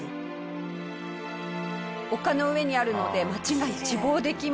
丘の上にあるので街が一望できます。